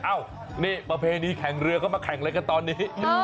อ้าวประเภทนี้แข่งเรือเขามาแข่งอะไรซักตอนนี้